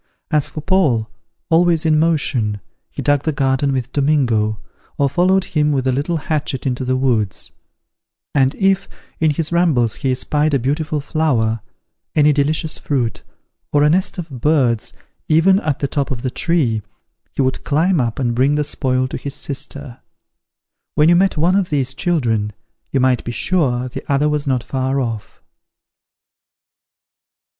As for Paul, always in motion, he dug the garden with Domingo, or followed him with a little hatchet into the woods; and if, in his rambles he espied a beautiful flower, any delicious fruit, or a nest of birds, even at the top of the tree, he would climb up and bring the spoil to his sister. When you met one of these children, you might be sure the other was not far off.